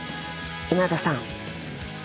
稲田さん。